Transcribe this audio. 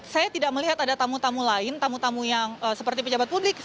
saya tidak melihat ada tamu tamu lain tamu tamu yang seperti pejabat publik